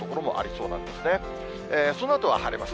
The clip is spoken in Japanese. そのあとは晴れます。